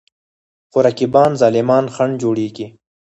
خو رقیبان ظالمان خنډ جوړېږي.